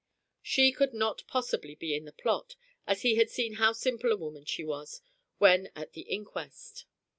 She could not possibly be in the plot, as he had seen how simple a woman she was when at the inquest.